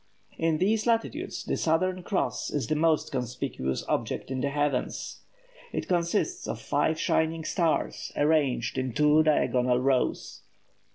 In these latitudes the Southern Cross is the most conspicuous object in the heavens. It consists of five shining stars, arranged in two diagonal rows.